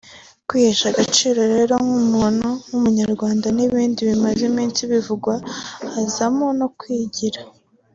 kwihesha agaciro rero nk’umuntu nk’umunyarwanda ni ibintu bimaze iminsi bivugwa hazamo no kwigira